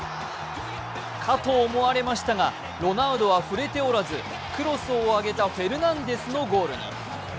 かと思われましたがロナウドは触れておらずクロスを上げたフェルナンデスのゴールに。